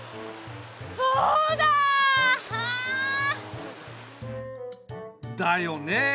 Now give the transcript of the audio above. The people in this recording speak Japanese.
そうだ！あ！だよね。